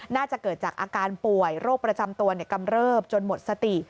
น่าจะเกิดจากอาการป่วยโรคประจำตัวกำเริบจนหมดสติ